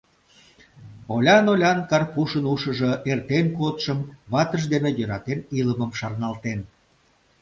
Олян-олян Карпушын ушыжо эртен кодшым, ватыж дене йӧратен илымым шарналтен.